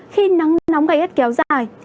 khi nắng nóng gai gắt kéo dài